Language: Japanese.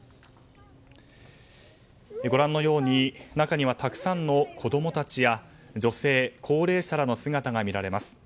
ご覧のように中にはたくさんの子供たちや女性、高齢者らの姿が見られます。